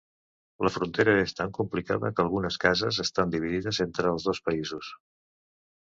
La frontera és tan complicada que algunes cases estan dividides entre els dos països.